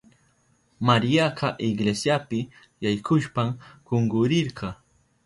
Mariaka iglesiapi yaykushpan kunkurirka.